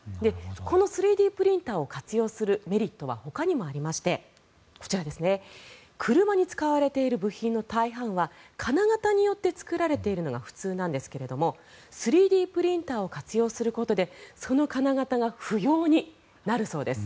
この３Ｄプリンターを活用するメリットはほかにもありましてこちら車に使われている部品の大半は金型によって作られているのが普通なんですが３Ｄプリンターを活用することでその金型が不要になるようです。